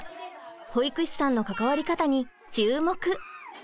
保育士さんの関わり方に注目！